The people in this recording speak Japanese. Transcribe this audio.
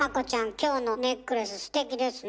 今日のネックレスステキですね。